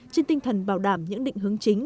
trên tinh thần bảo đảm những định hướng chính